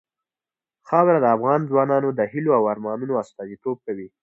خاوره د افغان ځوانانو د هیلو او ارمانونو استازیتوب کوي.